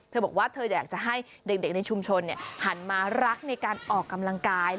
เธอบอกว่าเธออยากจะให้เด็กในชุมชนหันมารักในการออกกำลังกาย